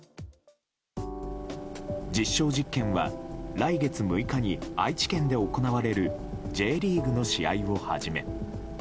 実証実験は来月６日に愛知県で行われるＪリーグの試合をはじめ